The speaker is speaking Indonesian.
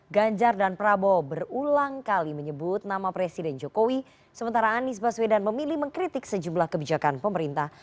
ganjar dan prabowo berulang kali menyebut nama presiden jokowi sementara anies baswedan memilih mengkritik sejumlah kebijakan pemerintah